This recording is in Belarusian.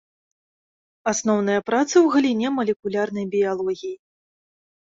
Асноўныя працы ў галіне малекулярнай біялогіі.